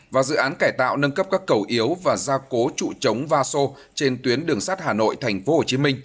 và dự án cải tạo nâng cấp các cầu yếu và gia cố trụ chống va sô trên tuyến đường sát hà nội tphcm